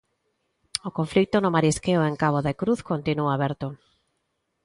O conflito no marisqueo en Cabo de Cruz continúa aberto.